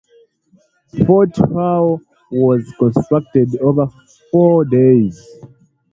Fort Hull was constructed over four days.